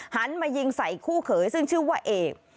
หันมายิงใส่คู่เขยซึ่งชื่อว่าเอก